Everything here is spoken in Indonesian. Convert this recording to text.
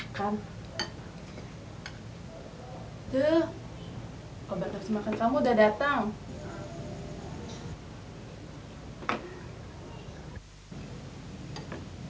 hai tuh coba makan kamu udah datang